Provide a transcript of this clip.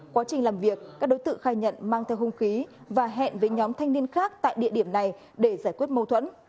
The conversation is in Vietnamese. quá trình làm việc các đối tượng khai nhận mang theo hung khí và hẹn với nhóm thanh niên khác tại địa điểm này để giải quyết mâu thuẫn